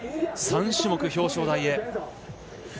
３種目、表彰台へ。